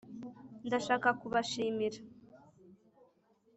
ndashaka kubashimira